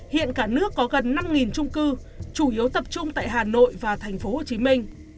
hiện cả nước có gần năm trung cư chủ yếu tập trung tại hà nội và thành phố hồ chí minh